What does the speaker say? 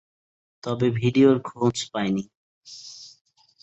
তবে ভিডিওর খোঁজ পাই নি।